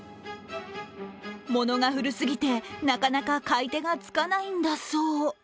ものが古すぎてなかなか買い手がつかないんだそう。